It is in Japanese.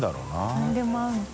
何でも合うのか。